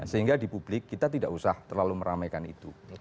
sehingga di publik kita tidak usah terlalu meramaikan itu